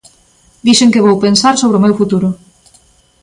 Dixen que vou pensar sobre o meu futuro.